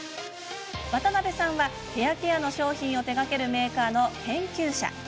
渡邊さんはヘアケアの商品を手がけるメーカーの研究者。